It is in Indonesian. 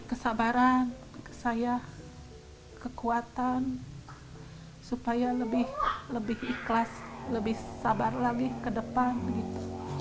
hidup elis seolah olah berjalan dengan baik